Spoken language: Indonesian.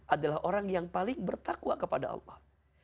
adalah orang yang paling bertakwa kepada allah